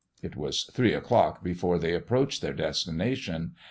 It was three o'clock before they approached their destination.